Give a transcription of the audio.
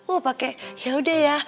oh pake yaudah ya